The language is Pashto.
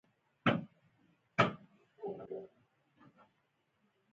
آهنګر وویل میرويس صفوي حکومت ته مخلص دی.